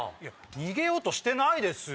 逃げようとしてないですよ